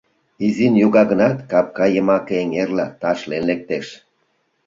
Изин йога гынат, капка йымаке эҥерла ташлен лектеш.